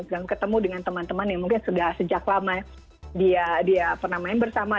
dan ketemu dengan teman teman yang mungkin sudah sejak lama dia pernah main bersama